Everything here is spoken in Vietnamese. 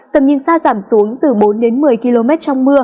tầm nhìn xa giảm xuống từ bốn đến một mươi km trong mưa